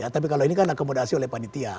tapi kalau ini kan akomodasi oleh panitia